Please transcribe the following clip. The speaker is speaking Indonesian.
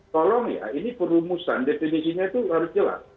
tolong ya ini perumusan definisinya itu harus jelas